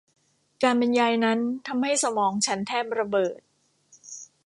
การบรรยายนั้นทำให้สมองฉันแทบระเบิด